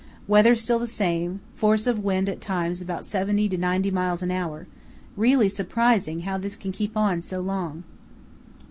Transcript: Weather still the same; force of wind at times about seventy to ninety miles an hour; really surprising how this can keep on so long.